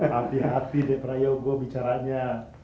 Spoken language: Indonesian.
hati hati deh prayogo bicaranya